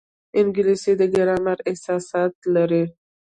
انګلیسي د ګرامر اساسات لري